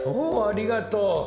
おおありがとう。